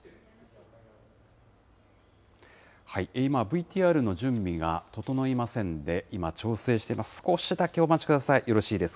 今、ＶＴＲの準備が整いませんで、今、調整してます。